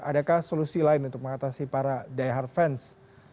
adakah solusi lain untuk mengatasi para diehar fans